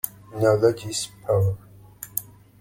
Knowledge is power.